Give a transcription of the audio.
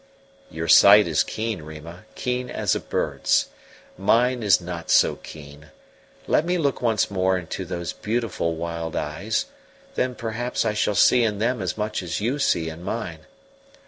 "Your sight is keen, Rima keen as a bird's. Mine is not so keen. Let me look once more into those beautiful wild eyes, then perhaps I shall see in them as much as you see in mine."